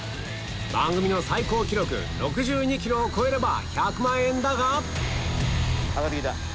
番組の最高記録６２ｋｇを超えれば１００万円だが上がってきた！